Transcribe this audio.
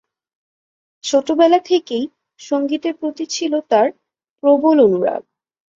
ছোটবেলা থেকেই সঙ্গীতের প্রতি ছিল তার প্রবল অনুরাগ।